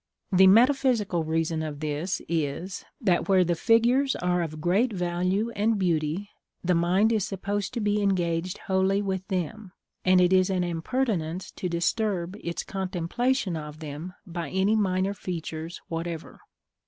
The metaphysical reason of this is, that where the figures are of great value and beauty, the mind is supposed to be engaged wholly with them; and it is an impertinence to disturb its contemplation of them by any minor features whatever.